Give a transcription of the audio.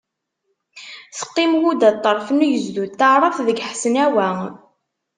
Teqqim Huda ṭṭerf n ugezdu n taɛrabt deg Ḥesnawa.